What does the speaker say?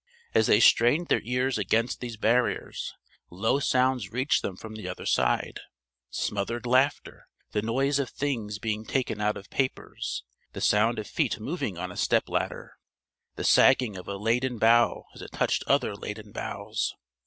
As they strained their ears against these barriers, low sounds reached them from the other side: smothered laughter; the noise of things being taken out of papers; the sound of feet moving on a step ladder; the sagging of a laden bough as it touched other laden boughs.